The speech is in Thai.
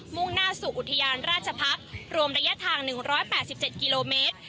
่งหน้าสู่อุทยานราชพักษ์รวมระยะทาง๑๘๗กิโลเมตร